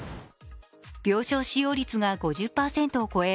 病床使用率が５０％を超え